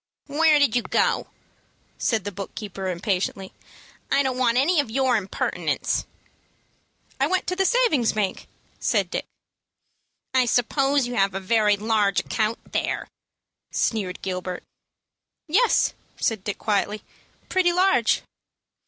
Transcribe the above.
"Where did you go?" said the book keeper, impatiently. "I don't want any of your impertinence." "I went to the savings bank," said Dick. "I suppose you have a very large account there," sneered Gilbert. "Yes," said Dick, quietly; "pretty large."